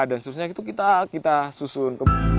dan seterusnya itu kita susun